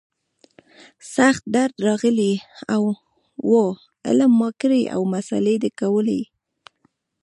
سخت درد راغلى و علم ما کړى او مسالې ده کولې.